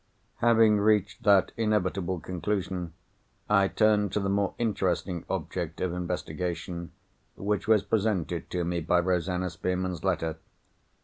Having reached that inevitable conclusion, I turned to the more interesting object of investigation which was presented to me by Rosanna Spearman's letter.